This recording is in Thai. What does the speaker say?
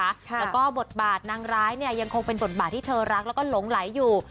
แล้วก็บทบาทนางร้ายเนี่ยยังคงเป็นบทบาทที่เธอรักแล้วก็หลงไหลอยู่